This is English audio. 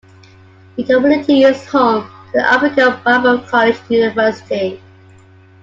The community is home to the African Bible College University.